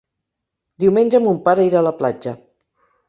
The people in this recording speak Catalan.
Diumenge mon pare irà a la platja.